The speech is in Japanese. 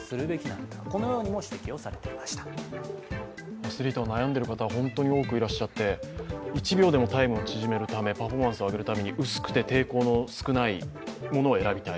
アスリートは悩んでる方が本当に多くいらっしゃって１秒でもタイムを縮めるためパフォーマンスを上げるため薄くて抵抗の少ないものを選びたい。